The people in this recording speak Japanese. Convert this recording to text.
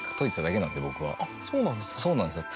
そうなんですか。